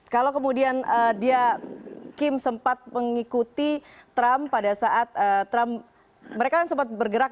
kalau kemudian dia kim sempat mengikuti trump pada saat trump mereka kan sempat bergerak